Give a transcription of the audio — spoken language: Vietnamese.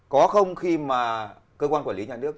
có không khi mà cơ quan quản lý nhà nước